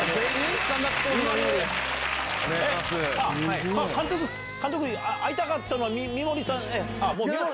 えっ監督会いたかったのは三森さん。